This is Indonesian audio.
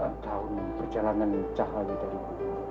ke antara perjalanan cahaya dan bumi